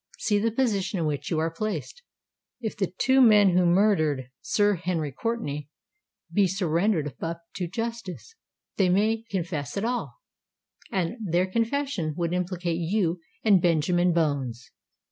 See the position in which you are placed! If the two men who murdered Sir Henry Courtenay, be surrendered up to justice, they may confess all—and their confession would implicate you and Benjamin Bones.